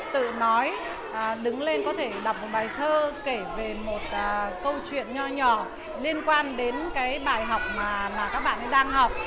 tự nói đứng lên có thể đọc một bài thơ kể về một câu chuyện nhỏ nhỏ liên quan đến cái bài học mà các bạn ấy đang học